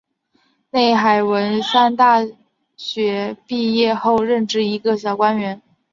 内海文三大学毕业后任职一个小官员。